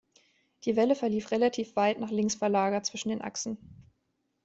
Die Welle verlief relativ weit nach links verlagert zwischen den Achsen.